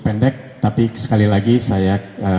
pendek tapi sekali lagi saya